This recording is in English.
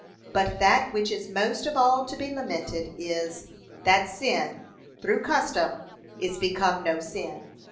But that which is most of all to be lamented is, that sin, through custom, is become no sin.